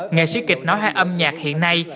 nghệ sĩ kịch nói hai âm nhạc hiện nay